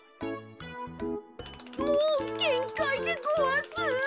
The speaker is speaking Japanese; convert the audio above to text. もうげんかいでごわす。